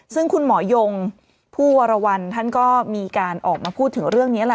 ซึ่งคุณหมอยงผู้วรวรรณท่านก็มีการออกมาพูดถึงเรื่องนี้แหละ